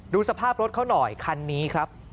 สภาพรถเขาหน่อยคันนี้ครับ